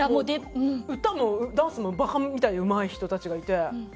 歌もダンスもバカみたいにうまい人たちがいて。